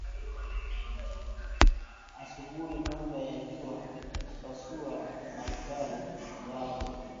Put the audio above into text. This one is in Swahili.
asubuhi kabla ya jua kupasua matlai yake